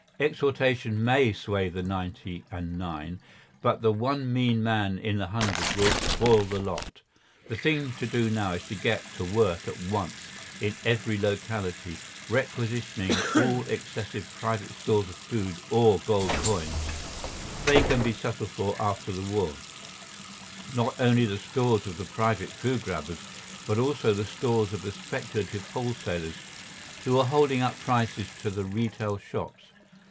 Exhortation may sway the ninety and nine, but the one mean man in the hundred will spoil the lot. The thing to do now is to get to work at once in every locality, requisitioning all excessive private stores of food or gold coins—they can be settled for after the war—not only the stores of the private food grabbers, but also the stores of the speculative wholesalers who are holding up prices to the retail shops.